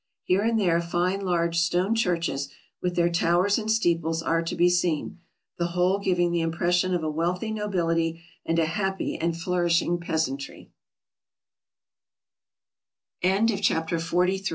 Here and there fine large stone churches, with their towers and steeples, are to be seen, the whole giving the impression of a wealthy nobility and a happy and flour ishing peasan